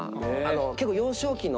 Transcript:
結構幼少期の。